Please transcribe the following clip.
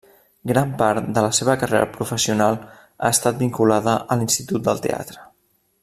Gran part de la seva carrera professional ha estat vinculada a l'Institut del Teatre.